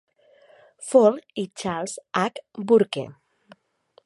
Fall i Charles H. Burke.